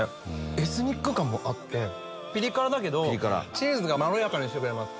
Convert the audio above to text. エスニック感もあってピリ辛だけどチーズがまろやかにしてくれます。